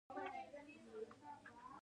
د شملې لوړوالی د ځوانۍ نښه ده.